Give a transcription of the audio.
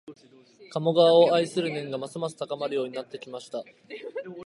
鴨川を愛する念がますます高まるようになってきました